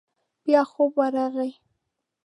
بيا خوب ورغی.